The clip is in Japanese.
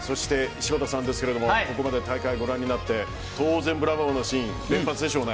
柴田さん、ここまで大会、ご覧になって当然、ブラボーなシーン連発でしょうね。